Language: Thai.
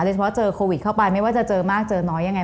เฉพาะเจอโควิดเข้าไปไม่ว่าจะเจอมากเจอน้อยยังไง